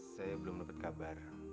saya belum dapet kabar